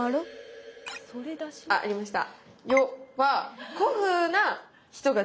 あありました。